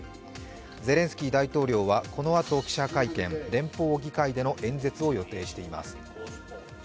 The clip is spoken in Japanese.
ゼレンスキー大統領はこのあと記者会見、連邦議会での演説を予定しています。